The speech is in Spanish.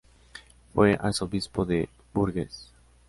Fue arzobispo de Bourges.